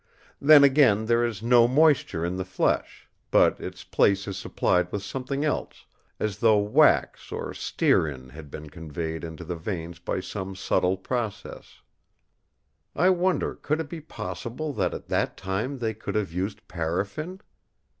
Then, again, there is no moisture in the flesh; but its place is supplied with something else, as though wax or stearine had been conveyed into the veins by some subtle process. I wonder could it be possible that at that time they could have used paraffin.